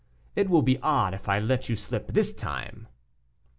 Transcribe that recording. It will be odd if I let you slip this time!"